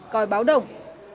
coi báo đồng